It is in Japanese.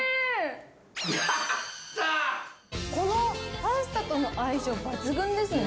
パスタとの相性抜群ですね。